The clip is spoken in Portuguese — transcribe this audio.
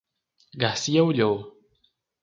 Garcia olhou: